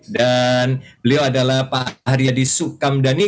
dan beliau adalah pak aryadi sukamdhani